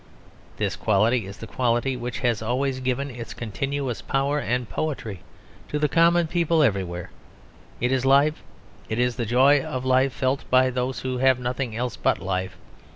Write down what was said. This quality is the quality which has always given its continuous power and poetry to the common people everywhere. It is life; it is the joy of life felt by those who have nothing else but life.